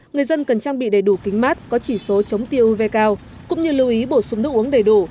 người dân cần trang bị đầy đủ kính mát có chỉ số chống tiêu uv cao cũng như lưu ý bổ sung nước uống đầy đủ